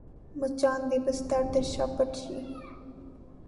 مچان د بستر تر شا پټ شي